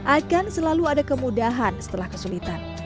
akan selalu ada kemudahan setelah kesulitan